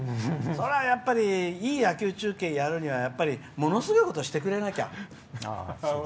そりゃ、やっぱりいい野球中継やるならやっぱり、ものすごいことをしてくれなきゃ。